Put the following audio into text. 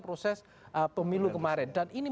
proses pemilu kemarin dan ini